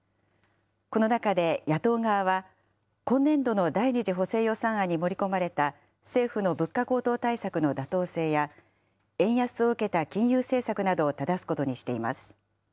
この中で、野党側は、今年度の第２次補正予算案に盛り込まれた、政府の物価高騰対策の妥当性や、円安を受けた金融政策などをただすことにしています。